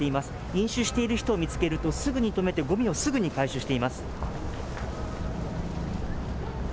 飲酒している人を見つけると、すぐに止めて、ごみをすぐに回収しています。